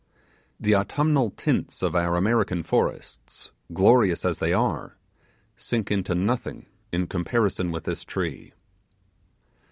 The autumnal tints of our American forests, glorious as they are, sink into nothing in comparison with this tree.